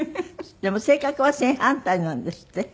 でも性格は正反対なんですって？